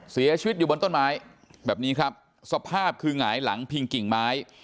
เสียชีวิตอยู่บนต้นไม้แบบนี้ครับสภาพคือหงายหลังพิงกิ่งไม้